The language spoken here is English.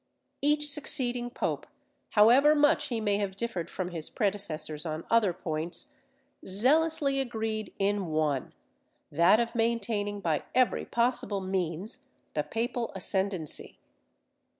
Each succeeding pope, however much he may have differed from his predecessors on other points, zealously agreed in one, that of maintaining by every possible means the papal ascendency.